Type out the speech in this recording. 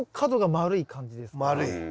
丸い。